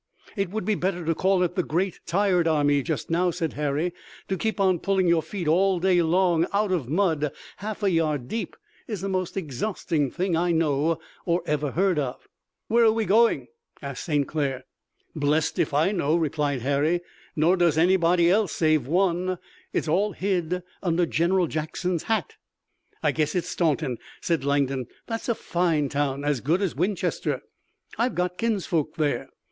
"It would be better to call it the Great Tired Army just now," said Harry. "To keep on pulling your feet all day long out of mud half a yard deep is the most exhausting thing I know or ever heard of." "Where are we going?" asked St. Clair. "Blessed if I know," replied Harry, "nor does anybody else save one. It's all hid under General Jackson's hat." "I guess it's Staunton," said Langdon. "That's a fine town, as good as Winchester. I've got kinsfolk there.